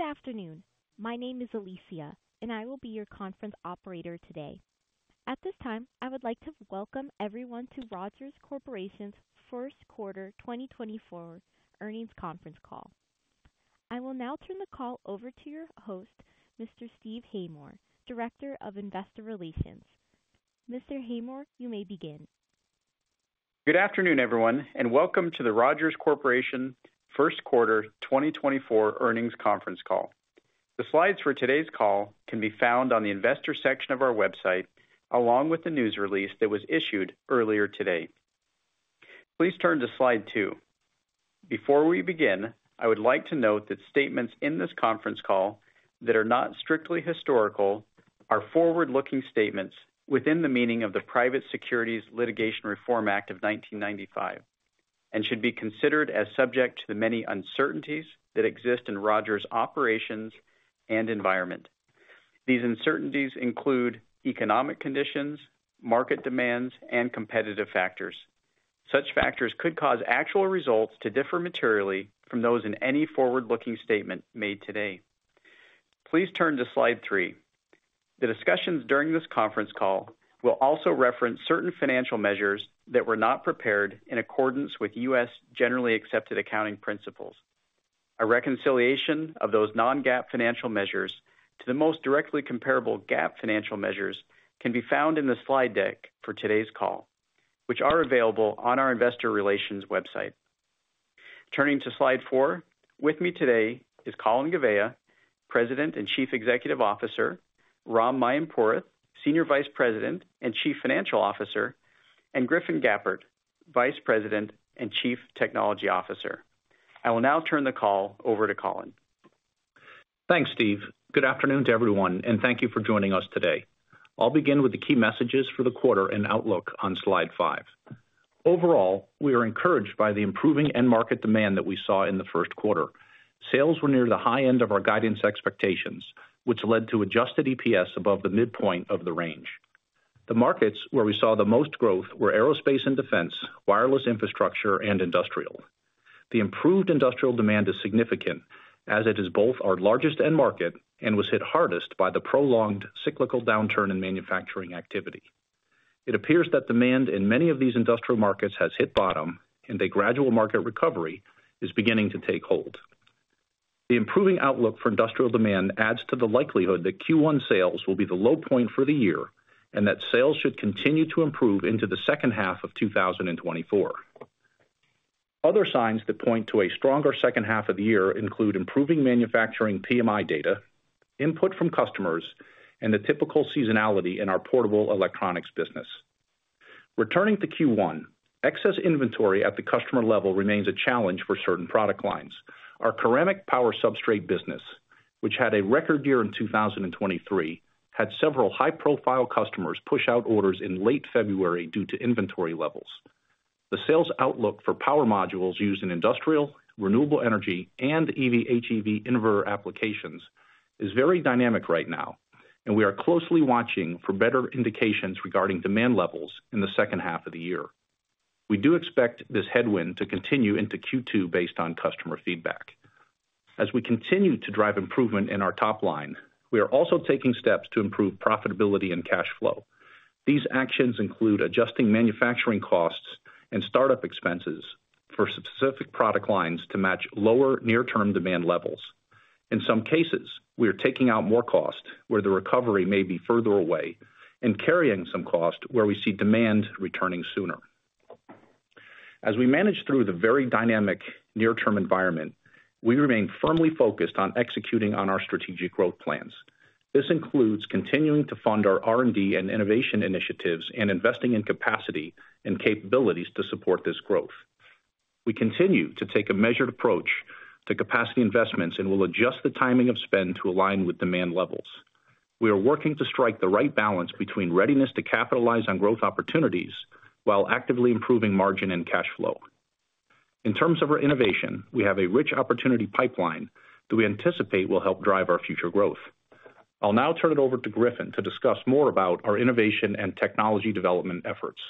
Good afternoon. My name is Alicia, and I will be your conference operator today. At this time, I would like to welcome everyone to Rogers Corporation's first quarter 2024 earnings conference call. I will now turn the call over to your host, Mr. Steve Haymore, Director of Investor Relations. Mr. Haymore, you may begin. Good afternoon, everyone, and welcome to the Rogers Corporation first quarter 2024 earnings conference call. The slides for today's call can be found on the Investor section of our website, along with the news release that was issued earlier today. Please turn to slide two. Before we begin, I would like to note that statements in this conference call that are not strictly historical are forward-looking statements within the meaning of the Private Securities Litigation Reform Act of 1995 and should be considered as subject to the many uncertainties that exist in Rogers' operations and environment. These uncertainties include economic conditions, market demands, and competitive factors. Such factors could cause actual results to differ materially from those in any forward-looking statement made today. Please turn to slide three The discussions during this conference call will also reference certain financial measures that were not prepared in accordance with U.S. Generally Accepted Accounting Principles. A reconciliation of those non-GAAP financial measures to the most directly comparable GAAP financial measures can be found in the slide deck for today's call, which are available on our Investor Relations website. Turning to slide four, with me today is Colin Gouveia, President and Chief Executive Officer; Ram Mayampurath, Senior Vice President and Chief Financial Officer; and Griffin Gappert, Vice President and Chief Technology Officer. I will now turn the call over to Colin. Thanks, Steve. Good afternoon to everyone, and thank you for joining us today. I'll begin with the key messages for the quarter and outlook on slide five. Overall, we are encouraged by the improving end-market demand that we saw in the first quarter. Sales were near the high end of our guidance expectations, which led to adjusted EPS above the midpoint of the range. The markets where we saw the most growth were aerospace and defense, wireless infrastructure, and industrial. The improved industrial demand is significant, as it is both our largest end-market and was hit hardest by the prolonged cyclical downturn in manufacturing activity. It appears that demand in many of these industrial markets has hit bottom, and a gradual market recovery is beginning to take hold. The improving outlook for industrial demand adds to the likelihood that Q1 sales will be the low point for the year and that sales should continue to improve into the second half of 2024. Other signs that point to a stronger second half of the year include improving manufacturing PMI data, input from customers, and the typical seasonality in our portable electronics business. Returning to Q1, excess inventory at the customer level remains a challenge for certain product lines. Our ceramic power substrate business, which had a record year in 2023, had several high-profile customers push out orders in late February due to inventory levels. The sales outlook for power modules used in industrial, renewable energy, and EV/HEV inverter applications is very dynamic right now, and we are closely watching for better indications regarding demand levels in the second half of the year. We do expect this headwind to continue into Q2 based on customer feedback. As we continue to drive improvement in our top line, we are also taking steps to improve profitability and cash flow. These actions include adjusting manufacturing costs and startup expenses for specific product lines to match lower near-term demand levels. In some cases, we are taking out more cost where the recovery may be further away and carrying some cost where we see demand returning sooner. As we manage through the very dynamic near-term environment, we remain firmly focused on executing on our strategic growth plans. This includes continuing to fund our R&D and innovation initiatives and investing in capacity and capabilities to support this growth. We continue to take a measured approach to capacity investments and will adjust the timing of spend to align with demand levels. We are working to strike the right balance between readiness to capitalize on growth opportunities while actively improving margin and cash flow. In terms of our innovation, we have a rich opportunity pipeline that we anticipate will help drive our future growth. I'll now turn it over to Griffin to discuss more about our innovation and technology development efforts.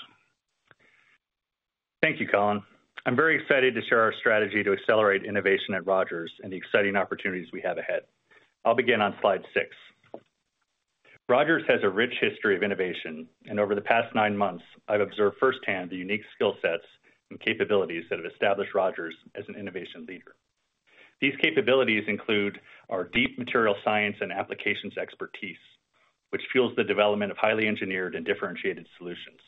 Thank you, Colin. I'm very excited to share our strategy to accelerate innovation at Rogers and the exciting opportunities we have ahead. I'll begin on slide six. Rogers has a rich history of innovation, and over the past nine months, I've observed firsthand the unique skill sets and capabilities that have established Rogers as an innovation leader. These capabilities include our deep material science and applications expertise, which fuels the development of highly engineered and differentiated solutions.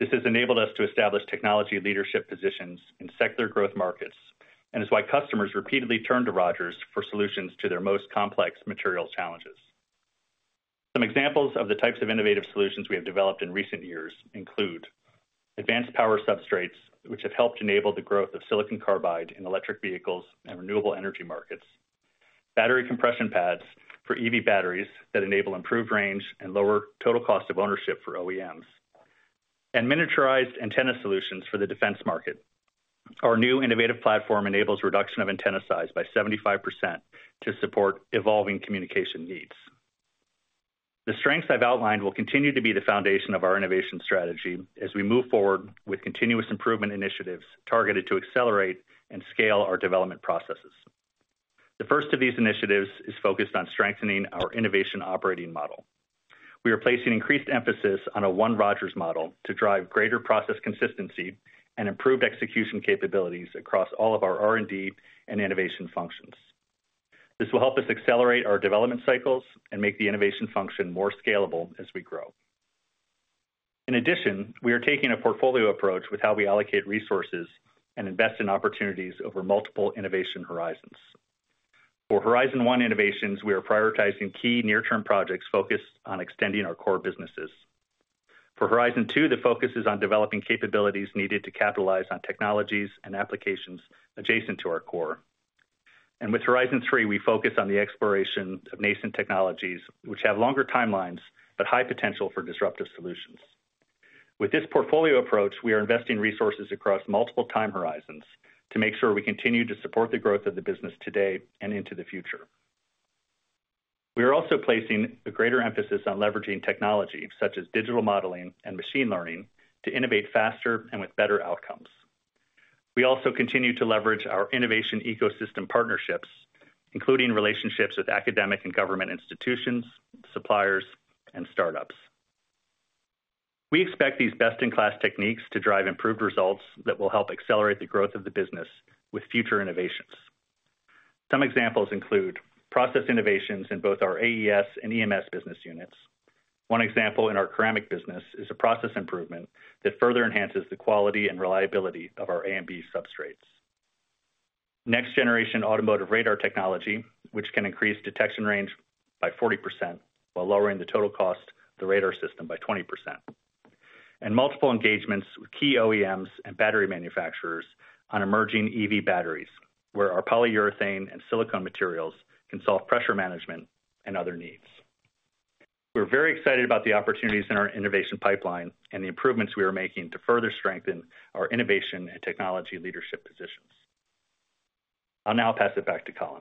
This has enabled us to establish technology leadership positions in secular growth markets and is why customers repeatedly turn to Rogers for solutions to their most complex material challenges. Some examples of the types of innovative solutions we have developed in recent years include advanced power substrates, which have helped enable the growth of silicon carbide in electric vehicles and renewable energy markets, battery compression pads for EV batteries that enable improved range and lower total cost of ownership for OEMs, and miniaturized antenna solutions for the defense market. Our new innovative platform enables reduction of antenna size by 75% to support evolving communication needs. The strengths I've outlined will continue to be the foundation of our innovation strategy as we move forward with continuous improvement initiatives targeted to accelerate and scale our development processes. The first of these initiatives is focused on strengthening our innovation operating model. We are placing increased emphasis on a One Rogers model to drive greater process consistency and improved execution capabilities across all of our R&D and innovation functions. This will help us accelerate our development cycles and make the innovation function more scalable as we grow. In addition, we are taking a portfolio approach with how we allocate resources and invest in opportunities over multiple innovation horizons. For Horizon One innovations, we are prioritizing key near-term projects focused on extending our core businesses. For Horizon Two, the focus is on developing capabilities needed to capitalize on technologies and applications adjacent to our core. With Horizon Three, we focus on the exploration of nascent technologies, which have longer timelines but high potential for disruptive solutions. With this portfolio approach, we are investing resources across multiple time horizons to make sure we continue to support the growth of the business today and into the future. We are also placing a greater emphasis on leveraging technology such as digital modeling and machine learning to innovate faster and with better outcomes. We also continue to leverage our innovation ecosystem partnerships, including relationships with academic and government institutions, suppliers, and startups. We expect these best-in-class techniques to drive improved results that will help accelerate the growth of the business with future innovations. Some examples include process innovations in both our AES and EMS business units. One example in our ceramic business is a process improvement that further enhances the quality and reliability of our AMB substrates: next-generation automotive radar technology, which can increase detection range by 40% while lowering the total cost of the radar system by 20%. And multiple engagements with key OEMs and battery manufacturers on emerging EV batteries, where our polyurethane and silicone materials can solve pressure management and other needs. We're very excited about the opportunities in our innovation pipeline and the improvements we are making to further strengthen our innovation and technology leadership positions. I'll now pass it back to Colin.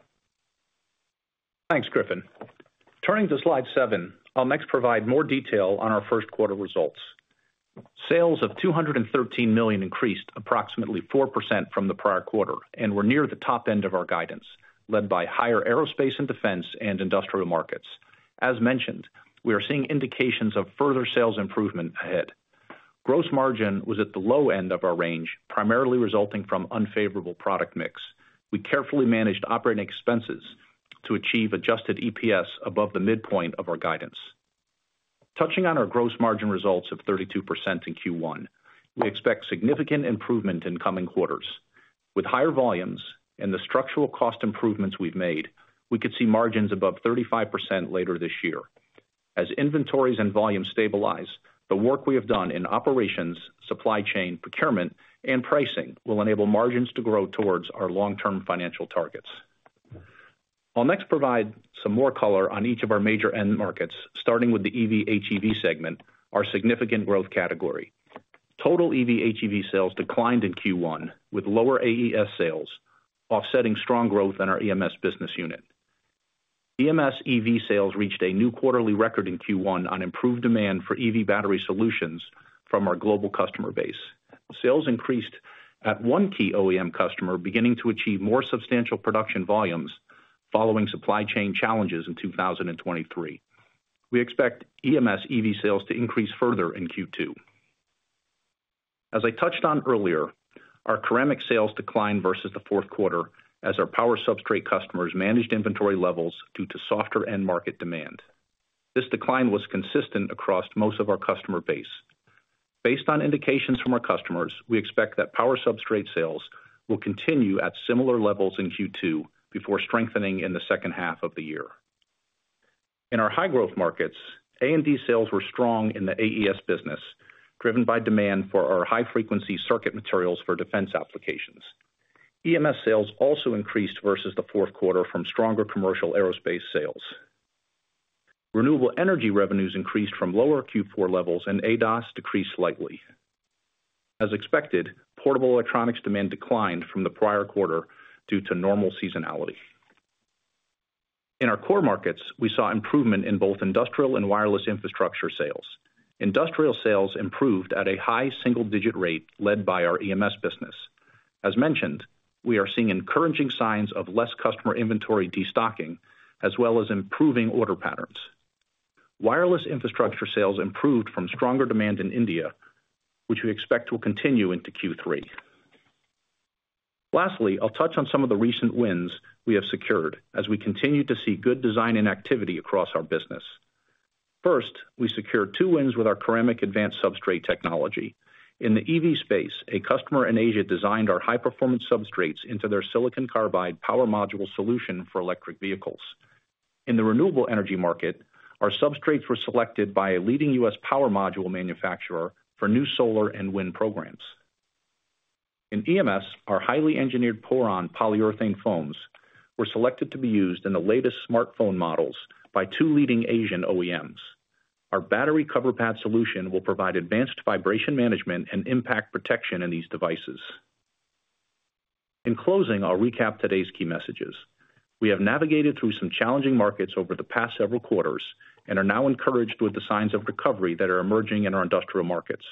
Thanks, Griffin. Turning to slide seven, I'll next provide more detail on our first quarter results. Sales of $213 million increased approximately 4% from the prior quarter and were near the top end of our guidance, led by higher aerospace and defense and industrial markets. As mentioned, we are seeing indications of further sales improvement ahead. Gross margin was at the low end of our range, primarily resulting from unfavorable product mix. We carefully managed operating expenses to achieve adjusted EPS above the midpoint of our guidance. Touching on our gross margin results of 32% in Q1, we expect significant improvement in coming quarters. With higher volumes and the structural cost improvements we've made, we could see margins above 35% later this year. As inventories and volume stabilize, the work we have done in operations, supply chain, procurement, and pricing will enable margins to grow towards our long-term financial targets. I'll next provide some more color on each of our major end markets, starting with the EV/HEV segment, our significant growth category. Total EV/HEV sales declined in Q1 with lower AES sales, offsetting strong growth in our EMS business unit. EMS EV sales reached a new quarterly record in Q1 on improved demand for EV battery solutions from our global customer base. Sales increased at one key OEM customer, beginning to achieve more substantial production volumes following supply chain challenges in 2023. We expect EMS EV sales to increase further in Q2. As I touched on earlier, our ceramic sales declined versus the fourth quarter as our power substrate customers managed inventory levels due to softer end-market demand. This decline was consistent across most of our customer base. Based on indications from our customers, we expect that power substrate sales will continue at similar levels in Q2 before strengthening in the second half of the year. In our high-growth markets, A&D sales were strong in the AES business, driven by demand for our high-frequency circuit materials for defense applications. EMS sales also increased versus the fourth quarter from stronger commercial aerospace sales. Renewable energy revenues increased from lower Q4 levels, and ADAS decreased slightly. As expected, portable electronics demand declined from the prior quarter due to normal seasonality. In our core markets, we saw improvement in both industrial and wireless infrastructure sales. Industrial sales improved at a high single-digit rate led by our EMS business. As mentioned, we are seeing encouraging signs of less customer inventory destocking as well as improving order patterns. Wireless infrastructure sales improved from stronger demand in India, which we expect will continue into Q3. Lastly, I'll touch on some of the recent wins we have secured as we continue to see good design activity across our business. First, we secured two wins with our ceramic advanced substrate technology. In the EV space, a customer in Asia designed our high-performance substrates into their silicon carbide power module solution for electric vehicles. In the renewable energy market, our substrates were selected by a leading U.S. power module manufacturer for new solar and wind programs. In EMS, our highly engineered PORON polyurethane foams were selected to be used in the latest smartphone models by two leading Asian OEMs. Our battery cover pad solution will provide advanced vibration management and impact protection in these devices. In closing, I'll recap today's key messages. We have navigated through some challenging markets over the past several quarters and are now encouraged with the signs of recovery that are emerging in our industrial markets.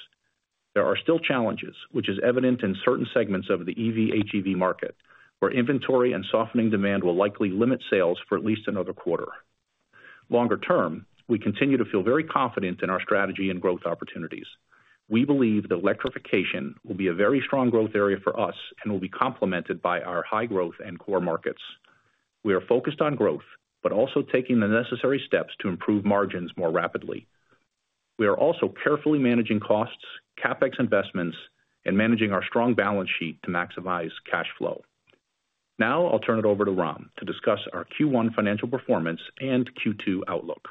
There are still challenges, which is evident in certain segments of the EV/HEV market, where inventory and softening demand will likely limit sales for at least another quarter. Longer term, we continue to feel very confident in our strategy and growth opportunities. We believe that electrification will be a very strong growth area for us and will be complemented by our high-growth and core markets. We are focused on growth but also taking the necessary steps to improve margins more rapidly. We are also carefully managing costs, CapEx investments, and managing our strong balance sheet to maximize cash flow. Now I'll turn it over to Ram to discuss our Q1 financial performance and Q2 outlook.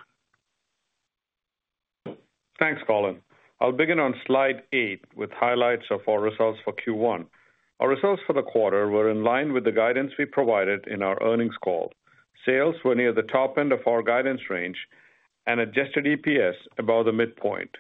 Thanks, Colin. I'll begin on slide eight with highlights of our results for Q1. Our results for the quarter were in line with the guidance we provided in our earnings call. Sales were near the top end of our guidance range and adjusted EPS above the midpoint.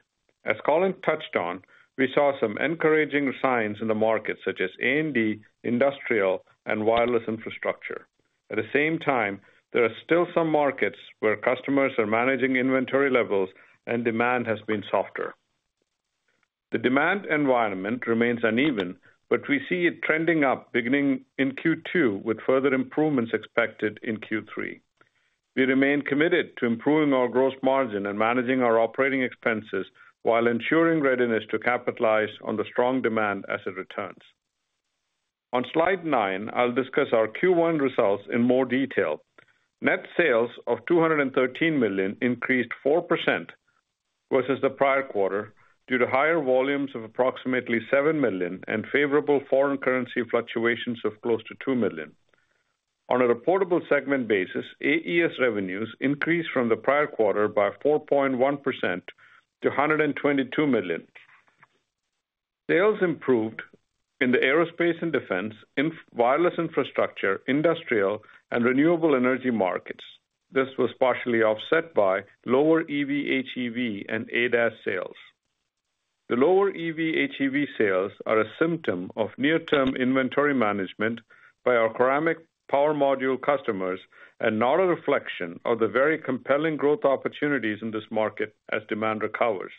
As Colin touched on, we saw some encouraging signs in the markets such as A&D, industrial, and wireless infrastructure. At the same time, there are still some markets where customers are managing inventory levels and demand has been softer. The demand environment remains uneven, but we see it trending up, beginning in Q2 with further improvements expected in Q3. We remain committed to improving our gross margin and managing our operating expenses while ensuring readiness to capitalize on the strong demand as it returns. On slide nine, I'll discuss our Q1 results in more detail. Net sales of $213 million increased 4% versus the prior quarter due to higher volumes of approximately $7 million and favorable foreign currency fluctuations of close to $2 million. On a reportable segment basis, AES revenues increased from the prior quarter by 4.1% to $122 million. Sales improved in the aerospace and defense, wireless infrastructure, industrial, and renewable energy markets. This was partially offset by lower EV/HEV and ADAS sales. The lower EV/HEV sales are a symptom of near-term inventory management by our ceramic power module customers and not a reflection of the very compelling growth opportunities in this market as demand recovers.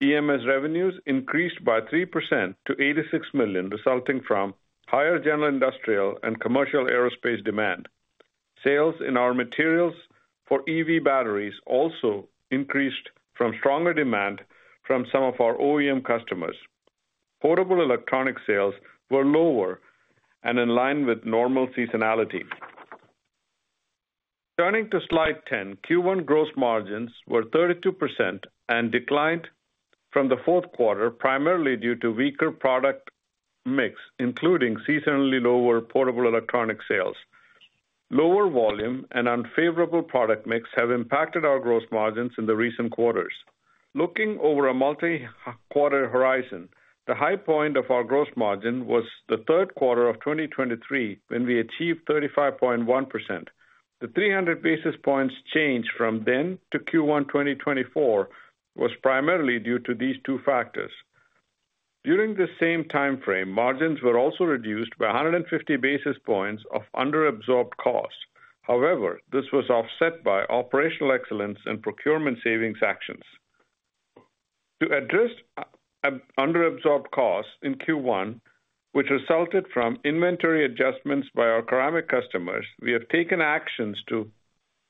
EMS revenues increased by 3% to $86 million, resulting from higher general industrial and commercial aerospace demand. Sales in our materials for EV batteries also increased from stronger demand from some of our OEM customers. Portable electronics sales were lower and in line with normal seasonality. Turning to slide 10, Q1 gross margins were 32% and declined from the fourth quarter primarily due to weaker product mix, including seasonally lower portable electronics sales. Lower volume and unfavorable product mix have impacted our gross margins in the recent quarters. Looking over a multi-quarter horizon, the high point of our gross margin was the third quarter of 2023 when we achieved 35.1%. The 300 basis points change from then to Q1 2024 was primarily due to these two factors. During the same time frame, margins were also reduced by 150 basis points of underabsorbed cost. However, this was offset by operational excellence and procurement savings actions. To address underabsorbed costs in Q1, which resulted from inventory adjustments by our ceramic customers, we have taken actions to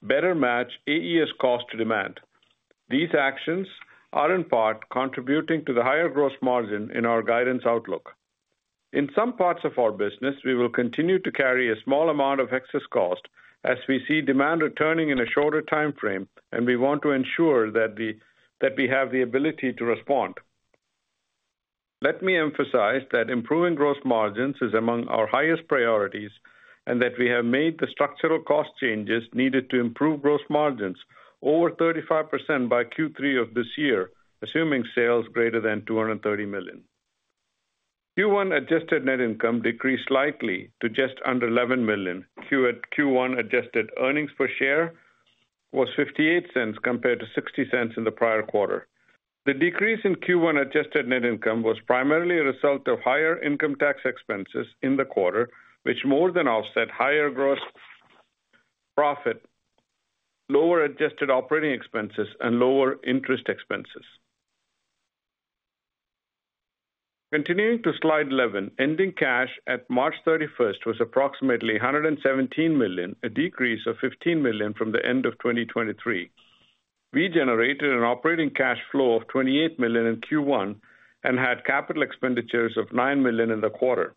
better match AES cost to demand. These actions are in part contributing to the higher gross margin in our guidance outlook. In some parts of our business, we will continue to carry a small amount of excess cost as we see demand returning in a shorter time frame, and we want to ensure that we have the ability to respond. Let me emphasize that improving gross margins is among our highest priorities and that we have made the structural cost changes needed to improve gross margins over 35% by Q3 of this year, assuming sales greater than $230 million. Q1 adjusted net income decreased slightly to just under $11 million. Q1 adjusted earnings per share was $0.58 compared to $0.60 in the prior quarter. The decrease in Q1 adjusted net income was primarily a result of higher income tax expenses in the quarter, which more than offset higher gross profit, lower adjusted operating expenses, and lower interest expenses. Continuing to slide 11, ending cash at March 31st was approximately $117 million, a decrease of $15 million from the end of 2023. We generated an operating cash flow of $28 million in Q1 and had capital expenditures of $9 million in the quarter.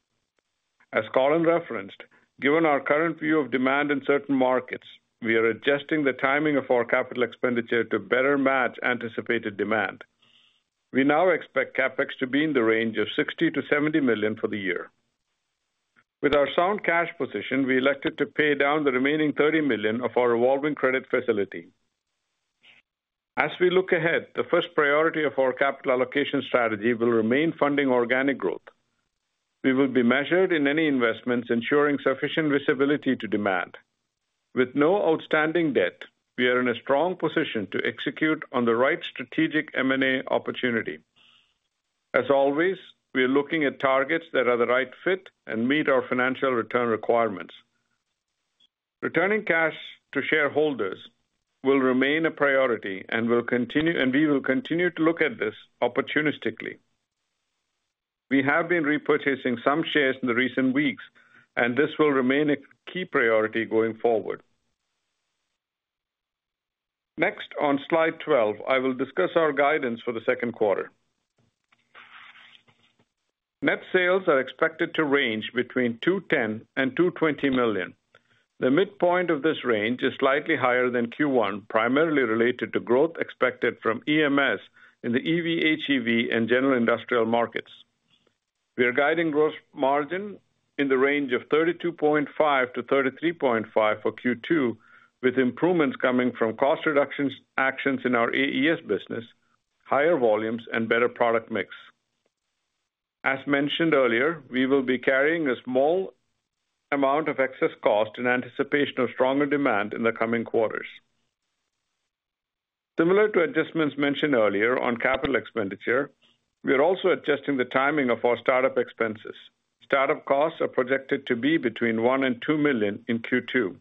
As Colin referenced, given our current view of demand in certain markets, we are adjusting the timing of our capital expenditure to better match anticipated demand. We now expect CapEx to be in the range of $60 million-$70 million for the year. With our sound cash position, we elected to pay down the remaining $30 million of our revolving credit facility. As we look ahead, the first priority of our capital allocation strategy will remain funding organic growth. We will be measured in any investments, ensuring sufficient visibility to demand. With no outstanding debt, we are in a strong position to execute on the right strategic M&A opportunity. As always, we are looking at targets that are the right fit and meet our financial return requirements. Returning cash to shareholders will remain a priority, and we will continue to look at this opportunistically. We have been repurchasing some shares in the recent weeks, and this will remain a key priority going forward. Next, on slide 12, I will discuss our guidance for the second quarter. Net sales are expected to range between $210 million and $220 million. The midpoint of this range is slightly higher than Q1, primarily related to growth expected from EMS in the EV/HEV and general industrial markets. We are guiding gross margin in the range of 32.5%-33.5% for Q2, with improvements coming from cost reduction actions in our AES business, higher volumes, and better product mix. As mentioned earlier, we will be carrying a small amount of excess cost in anticipation of stronger demand in the coming quarters. Similar to adjustments mentioned earlier on capital expenditure, we are also adjusting the timing of our startup expenses. Startup costs are projected to be between $1 million and $2 million in Q2.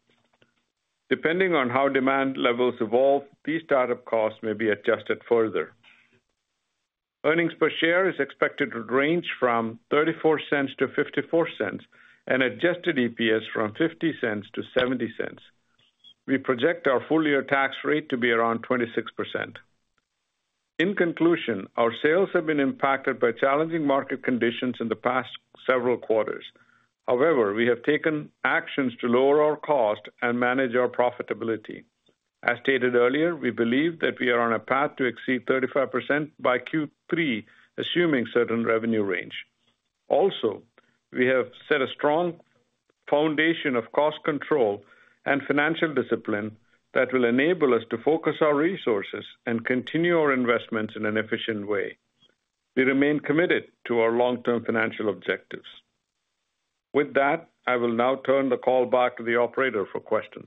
Depending on how demand levels evolve, these startup costs may be adjusted further. Earnings per share is expected to range from $0.34-$0.54 and adjusted EPS from $0.50-$0.70. We project our full-year tax rate to be around 26%. In conclusion, our sales have been impacted by challenging market conditions in the past several quarters. However, we have taken actions to lower our cost and manage our profitability. As stated earlier, we believe that we are on a path to exceed 35% by Q3, assuming certain revenue range. Also, we have set a strong foundation of cost control and financial discipline that will enable us to focus our resources and continue our investments in an efficient way. We remain committed to our long-term financial objectives. With that, I will now turn the call back to the operator for questions.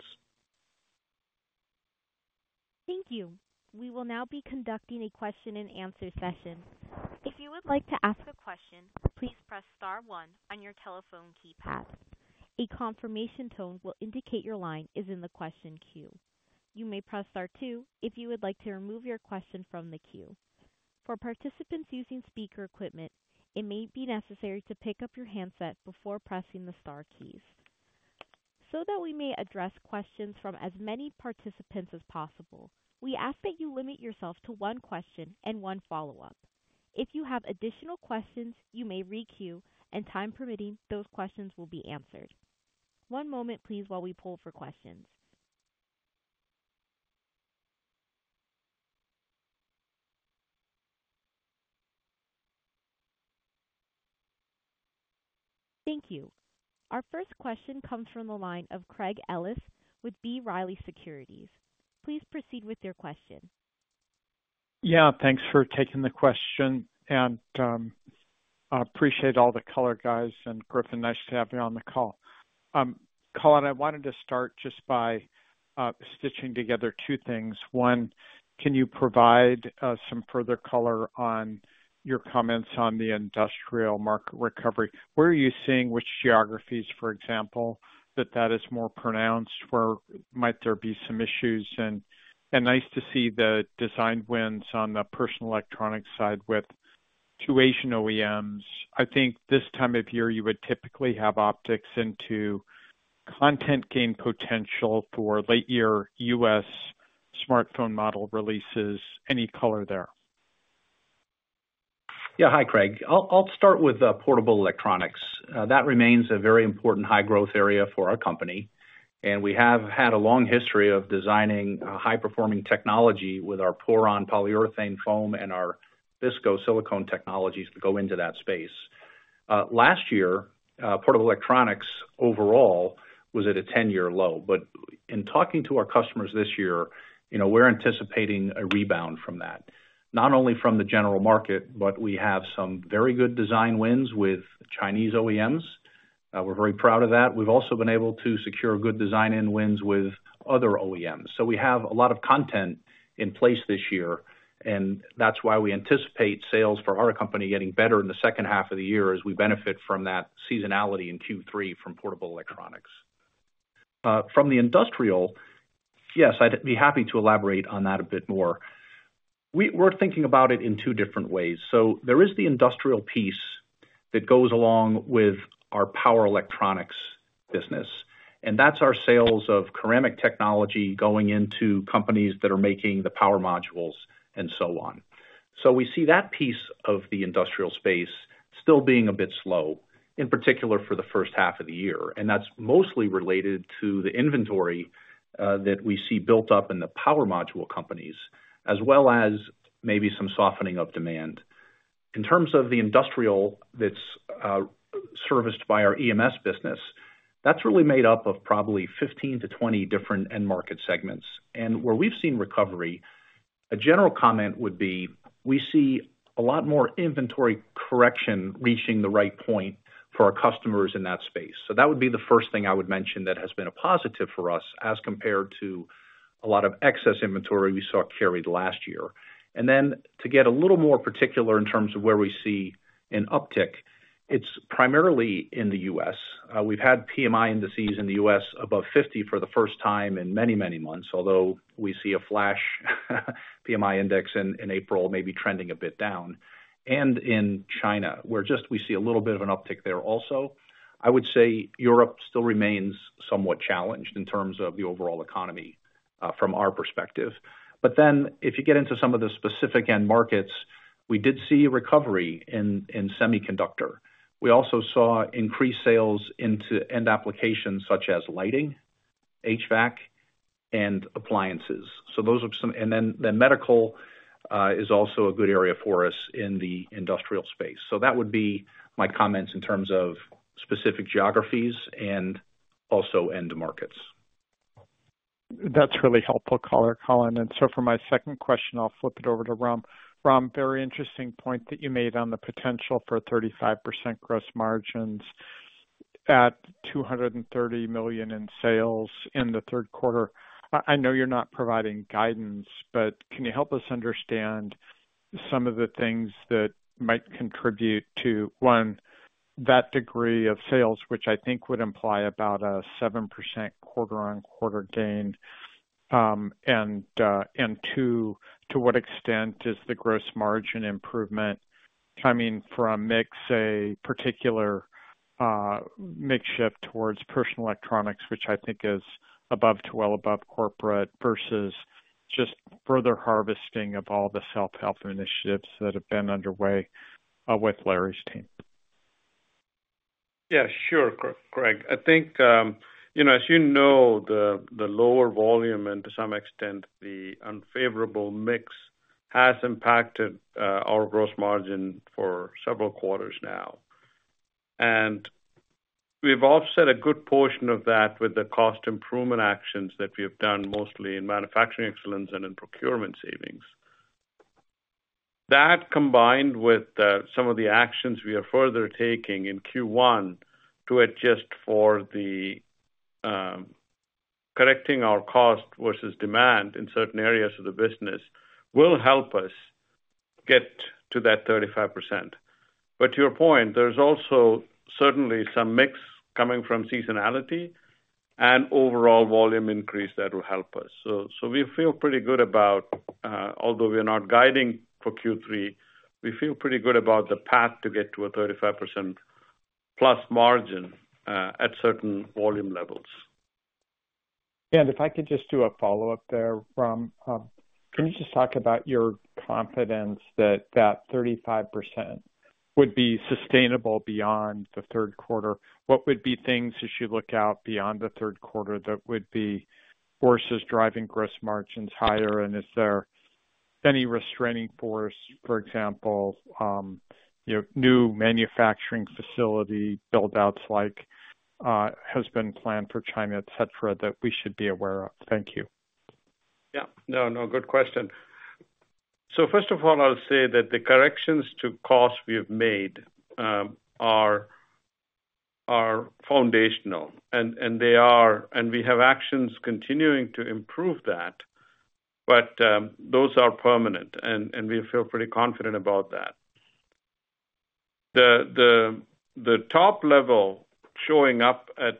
Thank you. We will now be conducting a Q&A session. If you would like to ask a question, please press star one on your telephone keypad. A confirmation tone will indicate your line is in the question queue. You may press star two if you would like to remove your question from the queue. For participants using speaker equipment, it may be necessary to pick up your handset before pressing the star keys. So that we may address questions from as many participants as possible, we ask that you limit yourself to one question and one follow-up. If you have additional questions, you may re-queue, and time permitting, those questions will be answered. One moment, please, while we pull for questions. Thank you. Our first question comes from the line of Craig Ellis with B. Riley Securities. Please proceed with your question. Yeah, thanks for taking the question, and I appreciate all the color guys and Griffin. Nice to have you on the call. Colin, I wanted to start just by stitching together two things. One, can you provide some further color on your comments on the industrial market recovery? Where are you seeing which geographies, for example, that that is more pronounced? Where might there be some issues? And nice to see the design wins on the personal electronics side with two Asian OEMs. I think this time of year, you would typically have optics into content gain potential for late-year U.S. smartphone model releases. Any color there? Yeah, hi, Craig. I'll start with portable electronics. That remains a very important high-growth area for our company, and we have had a long history of designing high-performing technology with our PORON polyurethane foam and our BISCO silicone technologies to go into that space. Last year, portable electronics overall was at a 10-year low, but in talking to our customers this year, we're anticipating a rebound from that, not only from the general market, but we have some very good design wins with Chinese OEMs. We're very proud of that. We've also been able to secure good design-in wins with other OEMs. So we have a lot of content in place this year, and that's why we anticipate sales for our company getting better in the second half of the year as we benefit from that seasonality in Q3 from portable electronics. From the industrial, yes, I'd be happy to elaborate on that a bit more. We're thinking about it in two different ways. So there is the industrial piece that goes along with our power electronics business, and that's our sales of ceramic technology going into companies that are making the power modules and so on. So we see that piece of the industrial space still being a bit slow, in particular for the first half of the year, and that's mostly related to the inventory that we see built up in the power module companies as well as maybe some softening of demand. In terms of the industrial that's serviced by our EMS business, that's really made up of probably 15-20 different end-market segments. Where we've seen recovery, a general comment would be we see a lot more inventory correction reaching the right point for our customers in that space. So that would be the first thing I would mention that has been a positive for us as compared to a lot of excess inventory we saw carried last year. And then to get a little more particular in terms of where we see an uptick, it's primarily in the U.S. We've had PMI indices in the U.S. above 50 for the first time in many, many months, although we see a flash PMI index in April maybe trending a bit down. And in China, where we see a little bit of an uptick there also. I would say Europe still remains somewhat challenged in terms of the overall economy from our perspective. But then if you get into some of the specific end markets, we did see recovery in semiconductor. We also saw increased sales into end applications such as lighting, HVAC, and appliances. And then medical is also a good area for us in the industrial space. So that would be my comments in terms of specific geographies and also end markets. That's really helpful color, Colin. And so for my second question, I'll flip it over to Ram. Ram, very interesting point that you made on the potential for 35% gross margins at $230 million in sales in the third quarter. I know you're not providing guidance, but can you help us understand some of the things that might contribute to, one, that degree of sales, which I think would imply about a 7% quarter-on-quarter gain, and two, to what extent is the gross margin improvement coming from, say, a particular mix shift towards personal electronics, which I think is well above corporate versus just further harvesting of all the self-help initiatives that have been underway with Larry's team? Yeah, sure, Craig. I think, as you know, the lower volume and to some extent the unfavorable mix has impacted our gross margin for several quarters now. And we've offset a good portion of that with the cost improvement actions that we have done mostly in manufacturing excellence and in procurement savings. That combined with some of the actions we are further taking in Q1 to adjust for the correcting our cost versus demand in certain areas of the business will help us get to that 35%. But to your point, there's also certainly some mix coming from seasonality and overall volume increase that will help us. So we feel pretty good about, although we are not guiding for Q3, we feel pretty good about the path to get to a 35%+ margin at certain volume levels. Yeah, and if I could just do a follow-up there, Ram, can you just talk about your confidence that that 35% would be sustainable beyond the third quarter? What would be things, as you look out beyond the third quarter, that would be forces driving gross margins higher? And is there any restraining force, for example, new manufacturing facility buildouts like has been planned for China, etc., that we should be aware of? Thank you. Yeah, no, no, good question. So first of all, I'll say that the corrections to cost we have made are foundational, and we have actions continuing to improve that, but those are permanent, and we feel pretty confident about that. The top level showing up at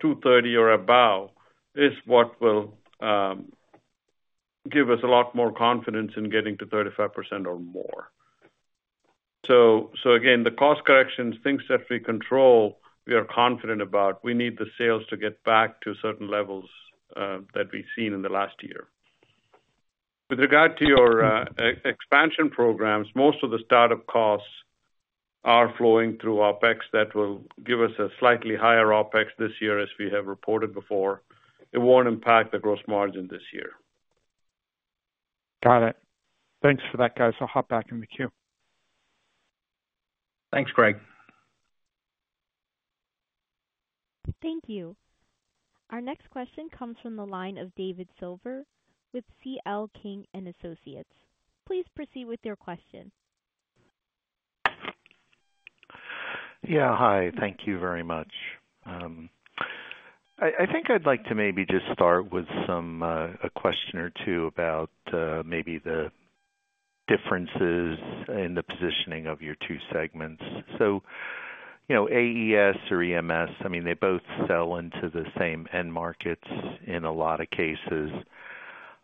230 or above is what will give us a lot more confidence in getting to 35% or more. So again, the cost corrections, things that we control, we are confident about. We need the sales to get back to certain levels that we've seen in the last year. With regard to your expansion programs, most of the startup costs are flowing through OpEx. That will give us a slightly higher OpEx this year as we have reported before. It won't impact the gross margin this year. Got it. Thanks for that, guys. I'll hop back in the queue. Thanks, Craig. Thank you. Our next question comes from the line of David Silver with C.L. King & Associates. Please proceed with your question. Yeah, hi. Thank you very much. I think I'd like to maybe just start with a question or two about maybe the differences in the positioning of your two segments. So AES or EMS, I mean, they both sell into the same end markets in a lot of cases.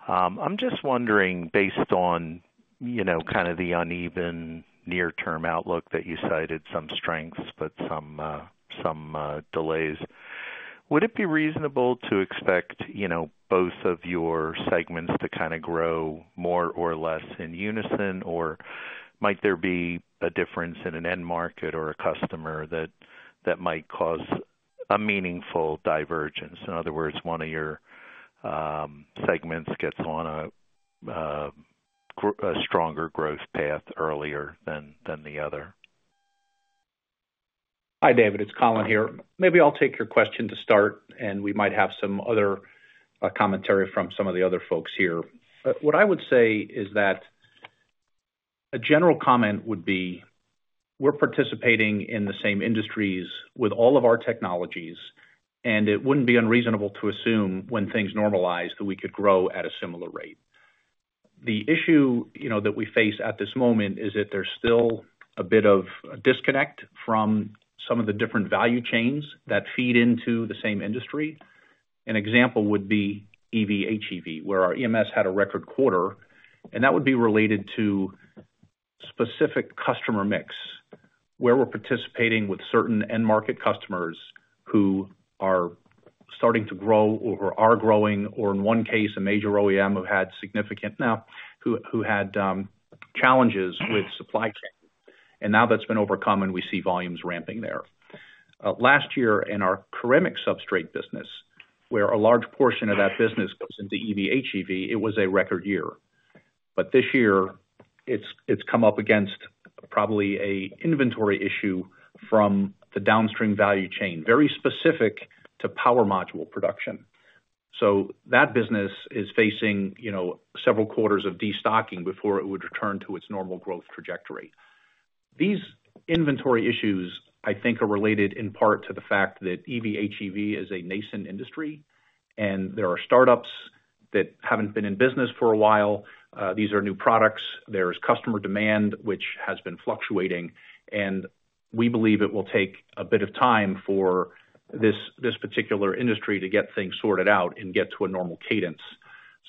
I'm just wondering, based on kind of the uneven near-term outlook that you cited, some strengths but some delays, would it be reasonable to expect both of your segments to kind of grow more or less in unison, or might there be a difference in an end market or a customer that might cause a meaningful divergence? In other words, one of your segments gets on a stronger growth path earlier than the other. Hi, David. It's Colin here. Maybe I'll take your question to start, and we might have some other commentary from some of the other folks here. What I would say is that a general comment would be we're participating in the same industries with all of our technologies, and it wouldn't be unreasonable to assume when things normalize that we could grow at a similar rate. The issue that we face at this moment is that there's still a bit of a disconnect from some of the different value chains that feed into the same industry. An example would be EV/HEV, where our EMS had a record quarter, and that would be related to specific customer mix, where we're participating with certain end-market customers who are starting to grow or are growing, or in one case, a major OEM who had significant challenges with supply chain. Now that's been overcome, and we see volumes ramping there. Last year, in our ceramic substrate business, where a large portion of that business goes into EV/HEV, it was a record year. But this year, it's come up against probably an inventory issue from the downstream value chain, very specific to power module production. So that business is facing several quarters of destocking before it would return to its normal growth trajectory. These inventory issues, I think, are related in part to the fact that EV/HEV is a nascent industry, and there are startups that haven't been in business for a while. These are new products. There's customer demand, which has been fluctuating, and we believe it will take a bit of time for this particular industry to get things sorted out and get to a normal cadence.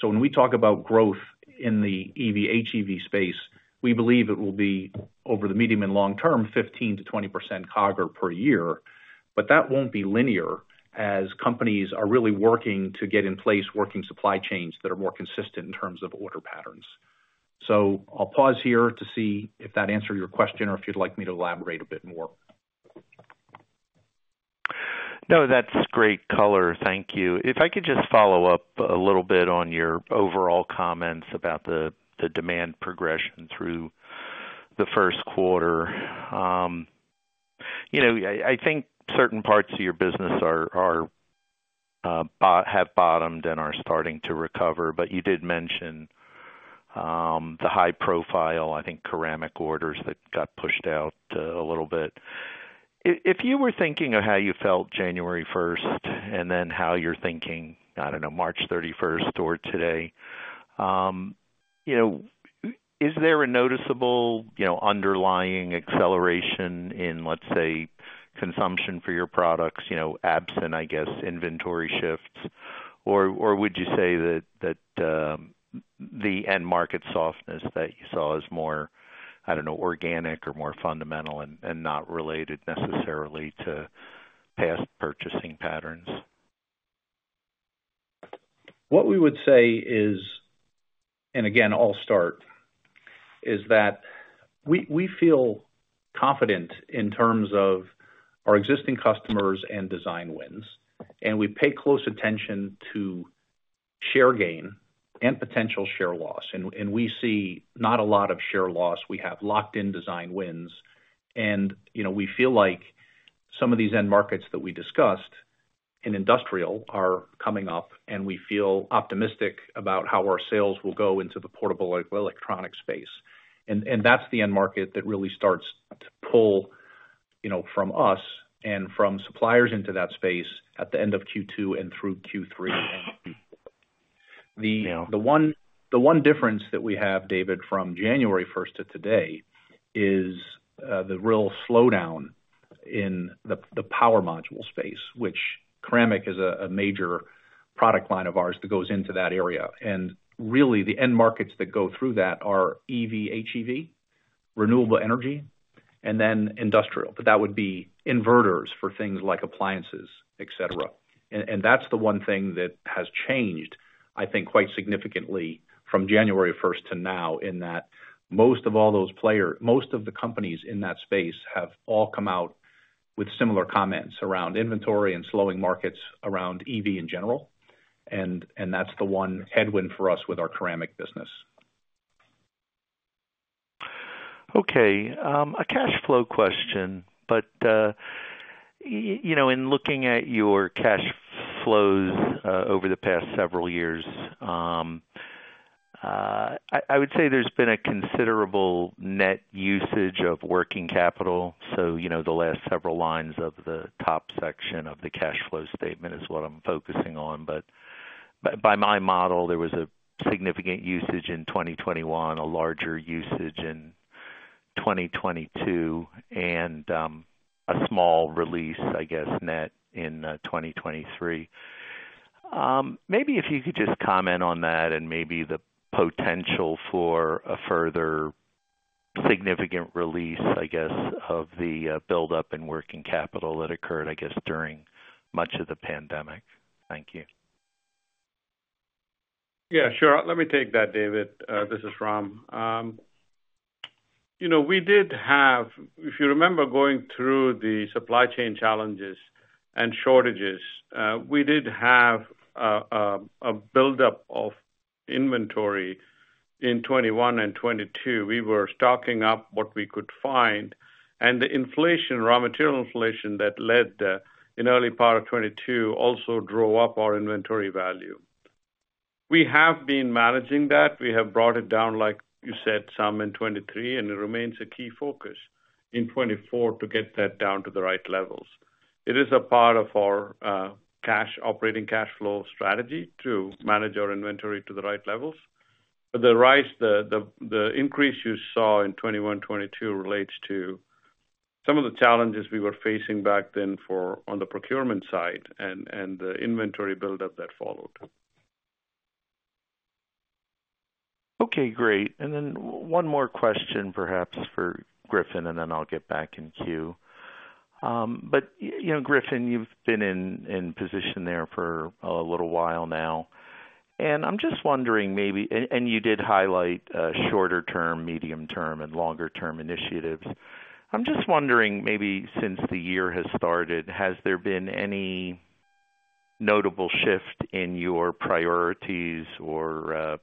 So when we talk about growth in the EV/HEV space, we believe it will be, over the medium and long term, 15%-20% CAGR per year. But that won't be linear as companies are really working to get in place working supply chains that are more consistent in terms of order patterns. So I'll pause here to see if that answered your question or if you'd like me to elaborate a bit more. No, that's great color. Thank you. If I could just follow up a little bit on your overall comments about the demand progression through the first quarter. I think certain parts of your business have bottomed and are starting to recover, but you did mention the high-profile, I think, ceramic orders that got pushed out a little bit. If you were thinking of how you felt January 1st and then how you're thinking, I don't know, March 31st or today, is there a noticeable underlying acceleration in, let's say, consumption for your products, absent, I guess, inventory shifts, or would you say that the end market softness that you saw is more, I don't know, organic or more fundamental and not related necessarily to past purchasing patterns? What we would say is, and again, I'll start, is that we feel confident in terms of our existing customers and design wins, and we pay close attention to share gain and potential share loss. We see not a lot of share loss. We have locked-in design wins, and we feel like some of these end markets that we discussed in industrial are coming up, and we feel optimistic about how our sales will go into the portable electronics space. That's the end market that really starts to pull from us and from suppliers into that space at the end of Q2 and through Q3 and Q4. The one difference that we have, David, from January 1st to today is the real slowdown in the power module space, which ceramic is a major product line of ours that goes into that area. Really, the end markets that go through that are EV/HEV, renewable energy, and then industrial. That would be inverters for things like appliances, etc. That's the one thing that has changed, I think, quite significantly from January 1st to now in that most of all those players most of the companies in that space have all come out with similar comments around inventory and slowing markets around EV in general. That's the one headwind for us with our ceramic business. Okay. A cash flow question, but in looking at your cash flows over the past several years, I would say there's been a considerable net usage of working capital. The last several lines of the top section of the cash flow statement is what I'm focusing on. By my model, there was a significant usage in 2021, a larger usage in 2022, and a small release, I guess, net in 2023. Maybe if you could just comment on that and maybe the potential for a further significant release, I guess, of the buildup in working capital that occurred, I guess, during much of the pandemic. Thank you. Yeah, sure. Let me take that, David. This is Ram. We did have, if you remember, going through the supply chain challenges and shortages, we did have a buildup of inventory in 2021 and 2022. We were stocking up what we could find, and the inflation, raw material inflation that led in early part of 2022 also drove up our inventory value. We have been managing that. We have brought it down, like you said, some in 2023, and it remains a key focus in 2024 to get that down to the right levels. It is a part of our operating cash flow strategy to manage our inventory to the right levels. But the increase you saw in 2021, 2022 relates to some of the challenges we were facing back then on the procurement side and the inventory buildup that followed. Okay, great. And then one more question, perhaps, for Griffin, and then I'll get back in queue. But Griffin, you've been in position there for a little while now, and I'm just wondering maybe and you did highlight shorter-term, medium-term, and longer-term initiatives. I'm just wondering maybe since the year has started, has there been any notable shift in your priorities or focus?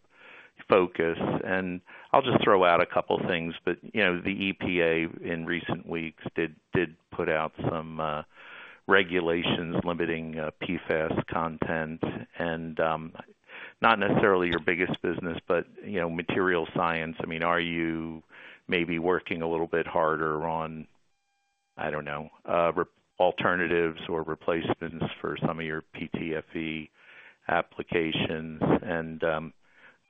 And I'll just throw out a couple of things, but the EPA in recent weeks did put out some regulations limiting PFAS content. And not necessarily your biggest business, but material science, I mean, are you maybe working a little bit harder on, I don't know, alternatives or replacements for some of your PTFE applications? And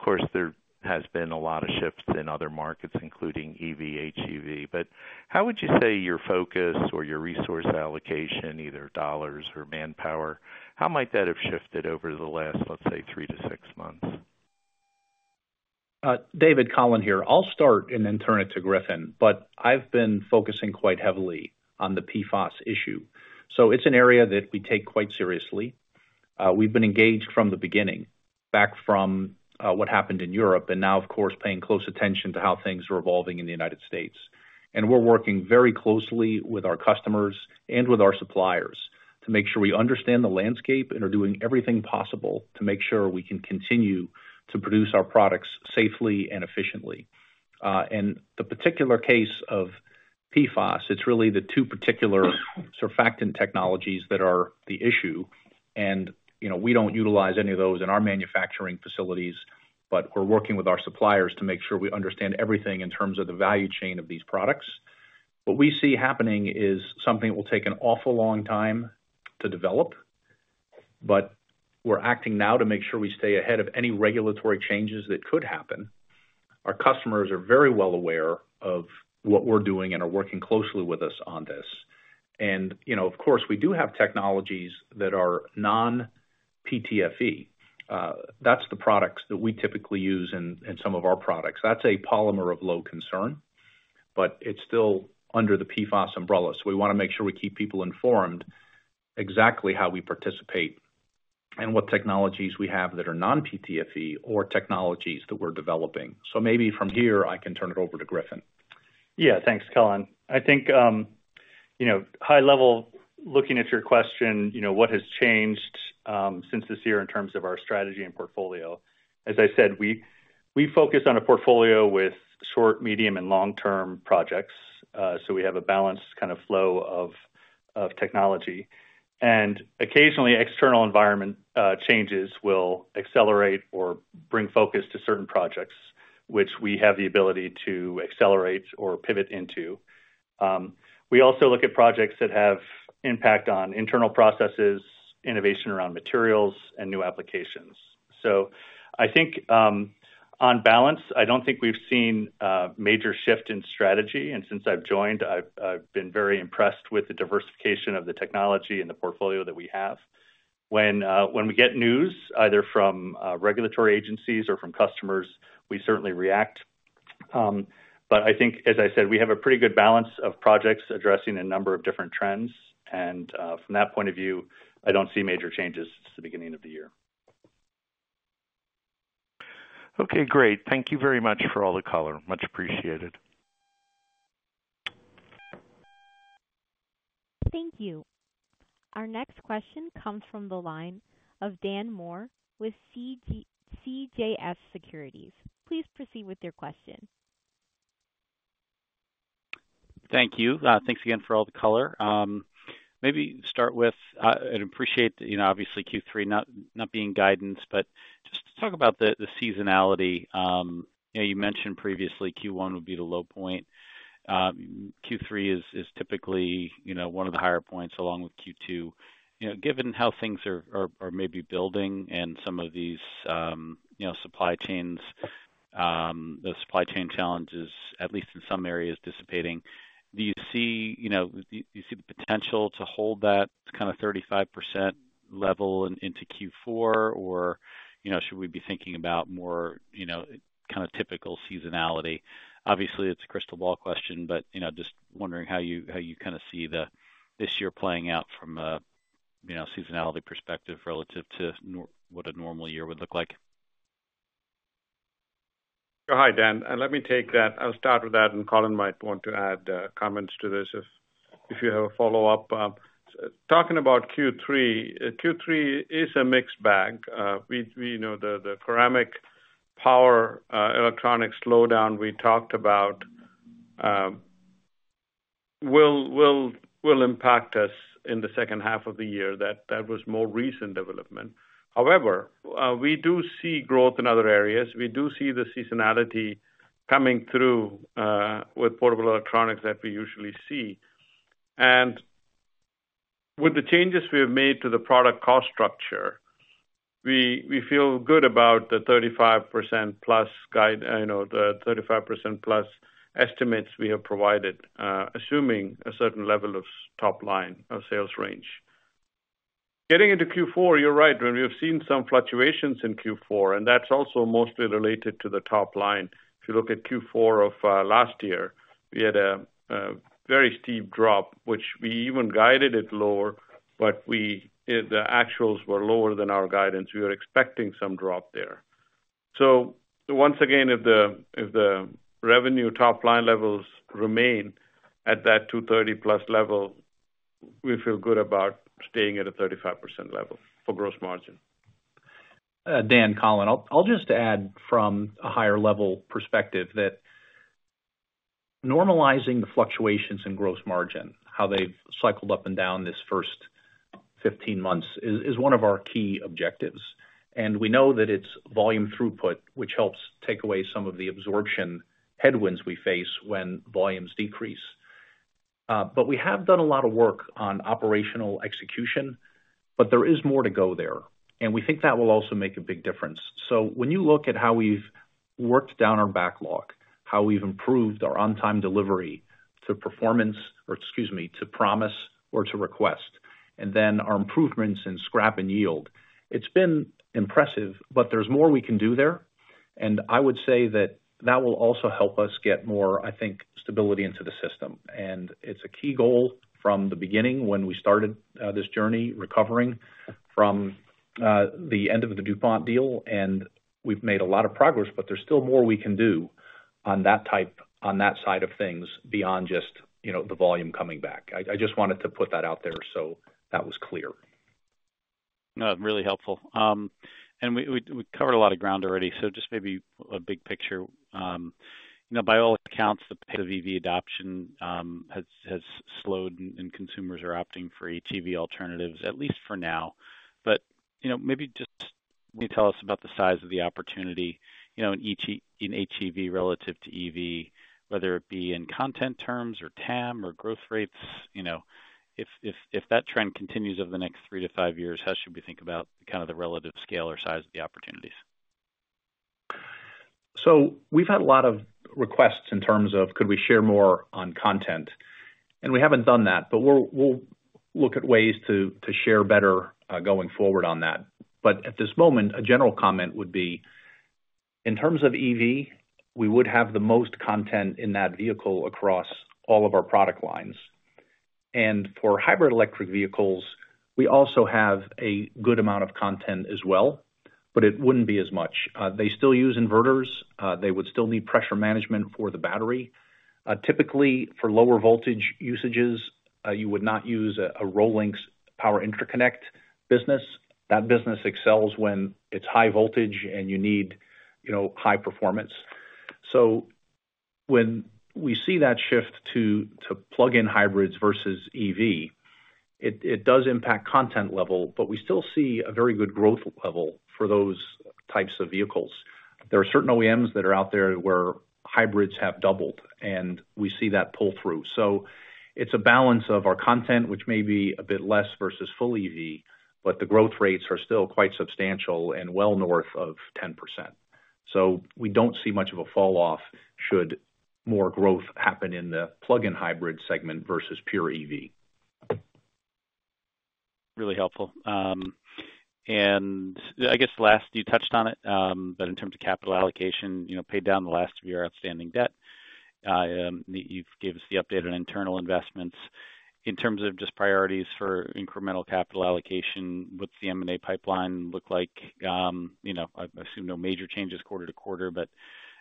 of course, there has been a lot of shifts in other markets, including EV/HEV. But how would you say your focus or your resource allocation, either dollars or manpower, how might that have shifted over the last, let's say, three to six months? It's Colin here. I'll start and then turn it to Griffin, but I've been focusing quite heavily on the PFAS issue. So it's an area that we take quite seriously. We've been engaged from the beginning, back from what happened in Europe, and now, of course, paying close attention to how things are evolving in the United States. We're working very closely with our customers and with our suppliers to make sure we understand the landscape and are doing everything possible to make sure we can continue to produce our products safely and efficiently. The particular case of PFAS, it's really the two particular surfactant technologies that are the issue. We don't utilize any of those in our manufacturing facilities, but we're working with our suppliers to make sure we understand everything in terms of the value chain of these products. What we see happening is something that will take an awful long time to develop, but we're acting now to make sure we stay ahead of any regulatory changes that could happen. Our customers are very well aware of what we're doing and are working closely with us on this. And of course, we do have technologies that are non-PTFE. That's the products that we typically use in some of our products. That's a polymer of low concern, but it's still under the PFAS umbrella. So we want to make sure we keep people informed exactly how we participate and what technologies we have that are non-PTFE or technologies that we're developing. So maybe from here, I can turn it over to Griffin. Yeah, thanks, Colin. I think high-level, looking at your question, what has changed since this year in terms of our strategy and portfolio? As I said, we focus on a portfolio with short, medium, and long-term projects. So we have a balanced kind of flow of technology. And occasionally, external environment changes will accelerate or bring focus to certain projects, which we have the ability to accelerate or pivot into. We also look at projects that have impact on internal processes, innovation around materials, and new applications. So I think on balance, I don't think we've seen a major shift in strategy. And since I've joined, I've been very impressed with the diversification of the technology and the portfolio that we have. When we get news, either from regulatory agencies or from customers, we certainly react. But I think, as I said, we have a pretty good balance of projects addressing a number of different trends. And from that point of view, I don't see major changes since the beginning of the year. Okay, great. Thank you very much for all the color. Much appreciated. Thank you. Our next question comes from the line of Dan Moore with CJS Securities. Please proceed with your question. Thank you. Thanks again for all the color. Maybe start with I'd appreciate, obviously, Q3 not being guidance, but just talk about the seasonality. You mentioned previously Q1 would be the low point. Q3 is typically one of the higher points along with Q2. Given how things are maybe building and some of these supply chains, the supply chain challenges, at least in some areas, dissipating, do you see the potential to hold that kind of 35% level into Q4, or should we be thinking about more kind of typical seasonality? Obviously, it's a crystal ball question, but just wondering how you kind of see this year playing out from a seasonality perspective relative to what a normal year would look like. Hi, Dan. Let me take that. I'll start with that, and Colin might want to add comments to this if you have a follow-up. Talking about Q3, Q3 is a mixed bag. The ceramic power electronics slowdown we talked about will impact us in the second half of the year. That was more recent development. However, we do see growth in other areas. We do see the seasonality coming through with portable electronics that we usually see. With the changes we have made to the product cost structure, we feel good about the 35%-plus guide, the 35%-plus estimates we have provided, assuming a certain level of top line of sales range. Getting into Q4, you're right. We have seen some fluctuations in Q4, and that's also mostly related to the top line. If you look at Q4 of last year, we had a very steep drop, which we even guided it lower, but the actuals were lower than our guidance. We were expecting some drop there. So once again, if the revenue top line levels remain at that 230+ level, we feel good about staying at a 35% level for gross margin. Dan, Colin, I'll just add from a higher-level perspective that normalizing the fluctuations in gross margin, how they've cycled up and down this first 15 months, is one of our key objectives. And we know that it's volume throughput, which helps take away some of the absorption headwinds we face when volumes decrease. But we have done a lot of work on operational execution, but there is more to go there, and we think that will also make a big difference. So when you look at how we've worked down our backlog, how we've improved our on-time delivery to performance or, excuse me, to promise or to request, and then our improvements in scrap and yield, it's been impressive, but there's more we can do there. And I would say that that will also help us get more, I think, stability into the system. It's a key goal from the beginning when we started this journey, recovering from the end of the DuPont deal. And we've made a lot of progress, but there's still more we can do on that side of things beyond just the volume coming back. I just wanted to put that out there so that was clear. No, really helpful. And we covered a lot of ground already. So just maybe a big picture. By all accounts, the EV adoption has slowed, and consumers are opting for HEV alternatives, at least for now. But maybe just tell us about the size of the opportunity in HEV relative to EV, whether it be in content terms or TAM or growth rates. If that trend continues over the next three to five years, how should we think about kind of the relative scale or size of the opportunities? We've had a lot of requests in terms of, "Could we share more on content?" We haven't done that, but we'll look at ways to share better going forward on that. At this moment, a general comment would be, in terms of EV, we would have the most content in that vehicle across all of our product lines. For hybrid electric vehicles, we also have a good amount of content as well, but it wouldn't be as much. They still use inverters. They would still need pressure management for the battery. Typically, for lower voltage usages, you would not use a ROLINX power interconnect business. That business excels when it's high voltage and you need high performance. So when we see that shift to plug-in hybrids versus EV, it does impact content level, but we still see a very good growth level for those types of vehicles. There are certain OEMs that are out there where hybrids have doubled, and we see that pull through. So it's a balance of our content, which may be a bit less versus full EV, but the growth rates are still quite substantial and well north of 10%. So we don't see much of a falloff should more growth happen in the plug-in hybrid segment versus pure EV. Really helpful. And I guess last, you touched on it, but in terms of capital allocation, paid down the last of your outstanding debt. You've given us the update on internal investments. In terms of just priorities for incremental capital allocation, what's the M&A pipeline look like? I assume no major changes quarter to quarter, but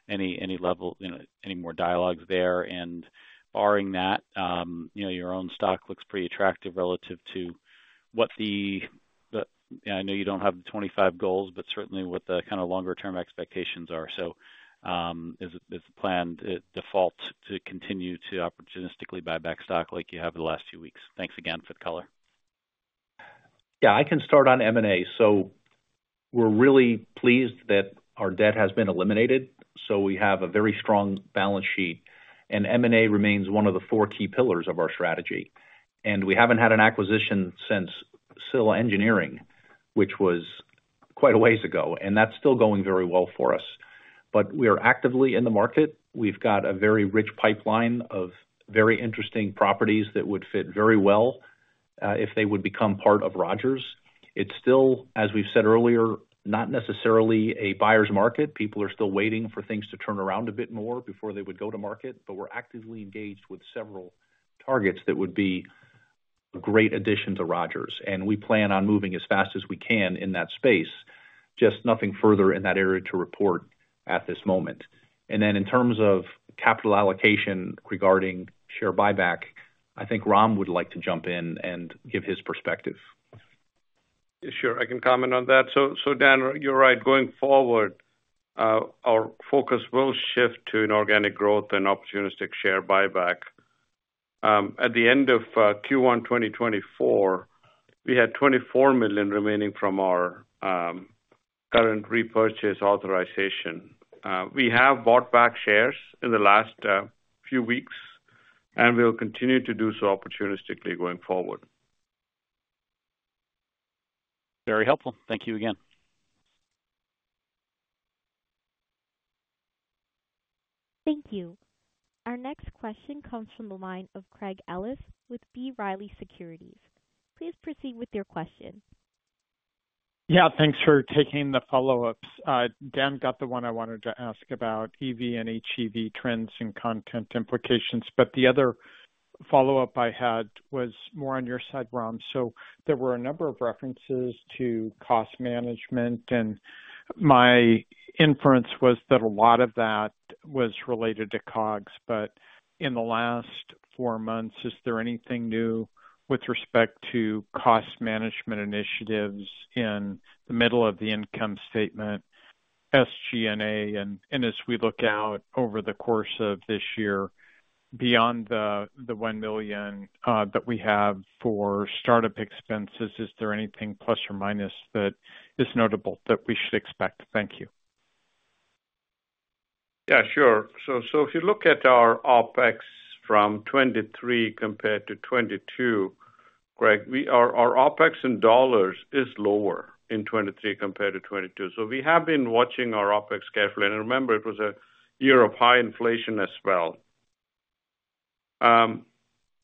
any level, any more dialogue there? And barring that, your own stock looks pretty attractive relative to what I know you don't have the 2025 goals, but certainly what the kind of longer-term expectations are. So is the plan default to continue to opportunistically buy back stock like you have the last few weeks? Thanks again for the color. Yeah, I can start on M&A. So we're really pleased that our debt has been eliminated. We have a very strong balance sheet, and M&A remains one of the four key pillars of our strategy. We haven't had an acquisition since Silicone Engineering, which was quite a ways ago, and that's still going very well for us. But we are actively in the market. We've got a very rich pipeline of very interesting properties that would fit very well if they would become part of Rogers. It's still, as we've said earlier, not necessarily a buyer's market. People are still waiting for things to turn around a bit more before they would go to market, but we're actively engaged with several targets that would be a great addition to Rogers. We plan on moving as fast as we can in that space, just nothing further in that area to report at this moment. Then in terms of capital allocation regarding share buyback, I think Ram would like to jump in and give his perspective. Sure, I can comment on that. So Dan, you're right. Going forward, our focus will shift to inorganic growth and opportunistic share buyback. At the end of Q1 2024, we had $24 million remaining from our current repurchase authorization. We have bought back shares in the last few weeks, and we'll continue to do so opportunistically going forward. Very helpful. Thank you again. Thank you. Our next question comes from the line of Craig Ellis with B. Riley Securities. Please proceed with your question. Yeah, thanks for taking the follow-ups. Dan got the one I wanted to ask about EV and HEV trends and content implications, but the other follow-up I had was more on your side, Ram. So there were a number of references to cost management, and my inference was that a lot of that was related to COGS. But in the last four months, is there anything new with respect to cost management initiatives in the middle of the income statement, SG&A? And as we look out over the course of this year, beyond the $1 million that we have for startup expenses, is there anything plus or minus that is notable that we should expect? Thank you. Yeah, sure. So if you look at our OpEx from 2023 compared to 2022, Craig, our OpEx in dollars is lower in 2023 compared to 2022. So we have been watching our OpEx carefully. And remember, it was a year of high inflation as well.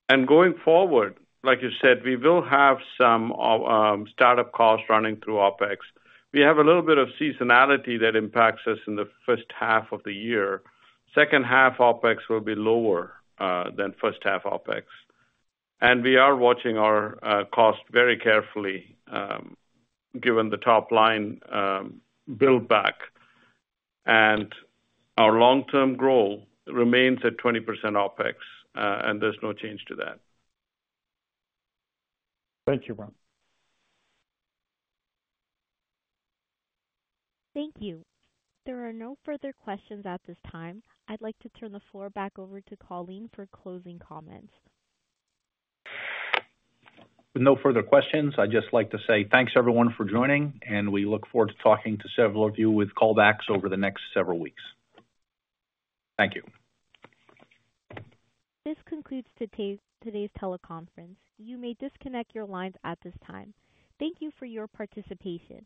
And going forward, like you said, we will have some startup costs running through OpEx. We have a little bit of seasonality that impacts us in the first half of the year. Second half OpEx will be lower than first half OpEx. And we are watching our costs very carefully given the top line buildback. And our long-term growth remains at 20% OpEx, and there's no change to that. Thank you, Ram. Thank you. There are no further questions at this time. I'd like to turn the floor back over to Colin for closing comments. No further questions. I'd just like to say thanks, everyone, for joining, and we look forward to talking to several of you with callbacks over the next several weeks. Thank you. This concludes today's teleconference. You may disconnect your lines at this time. Thank you for your participation.